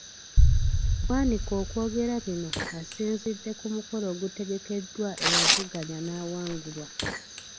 Bwanika okwogera bino asinzidde ku mukolo ogutegekeddwa eyavuganya n’awangulwa.